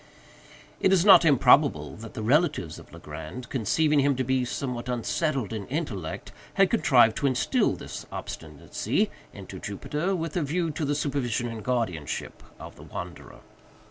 It is not improbable that the relatives of Legrand, conceiving him to be somewhat unsettled in intellect, had contrived to instil this obstinacy into Jupiter, with a view to the supervision and guardianship of the wanderer.